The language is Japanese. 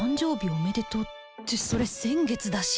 おめでとうってそれ先月だし